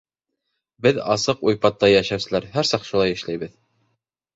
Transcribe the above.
Беҙ, асыҡ уйпатта йәшәүселәр, һәр саҡ шулай эшләйбеҙ.